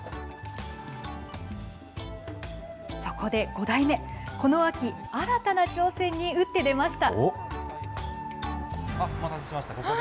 そこで５代目、この秋、新たな挑戦に打って出ました。